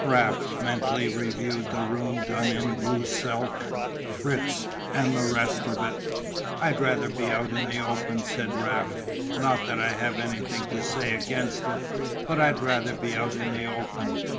Raft mentally reviewed the room done in blue silk, Fritz, and the rest of it. "I'd rather be out in the open," said Raft. "Not that I have anything to say against it but I'd rather be out in the open."